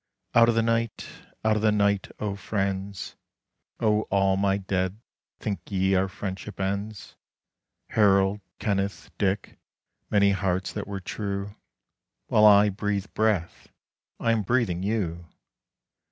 Out of the Night! out of the Night, O Friends: O all my dead, think ye our friendship ends? Harold, Kenneth, Dick, many hearts that were true, While I breathe breath, I am breathing you.